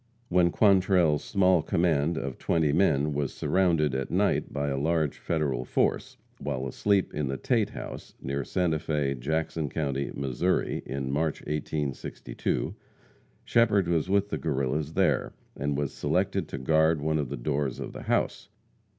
When Quantrell's small command of twenty men was surrounded at night by a large Federal force, while asleep in the Tate house, near Santa Fe, Jackson county, Missouri, in March 1862, Shepherd was with the Guerrillas there, and was selected to guard one of the doors of the house.